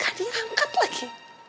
gak diangkat lagi